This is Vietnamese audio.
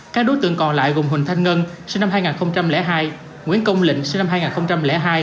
các đối tượng còn lại gồm huỳnh thanh ngân sinh năm hai nghìn hai nguyễn công lĩnh sinh năm hai nghìn hai